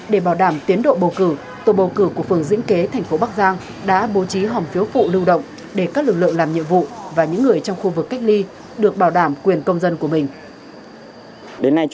để bảo đảm tiến độ bầu cử tổ bầu cử của phường diễn kế thành phố bắc giang đã bố trí hòm phiếu phụ lưu động để các lực lượng làm nhiệm vụ và những người trong khu vực cách ly được bảo đảm quyền công dân của mình